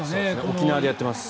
沖縄でやってます。